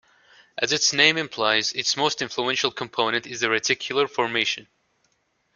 As its name implies, its most influential component is the reticular formation.